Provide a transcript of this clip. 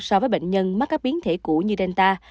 so với bệnh nhân mắc các biến thể cũ như delta